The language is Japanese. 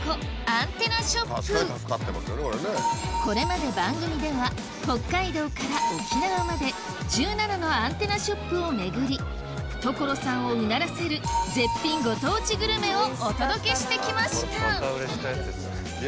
これまで番組では北海道から沖縄まで１７のアンテナショップを巡り所さんをうならせる絶品ご当地グルメをお届けしてきました